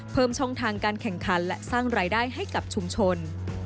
เพิ่มช่องทางการแข่งขันและสร้างรายได้ให้กับชุมชน